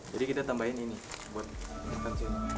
jadi kita tambahin ini buat ikutkan sini